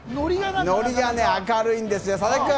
ノリが明るいんですよ。